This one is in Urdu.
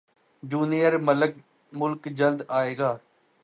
جونیئر ملک جلد ائے گا